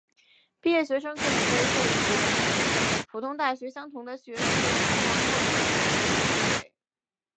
毕业学生可以被授予与普通大学相同的学士或硕士或博士学位。